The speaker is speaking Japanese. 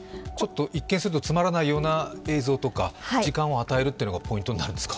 一見するとつまらないような映像とか時間を与えるのがポイントになるんですか。